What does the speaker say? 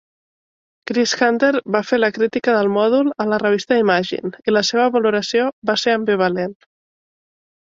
Chris Hunter va fer la crítica del mòdul a la revista Imagine i la seva valoració va ser ambivalent.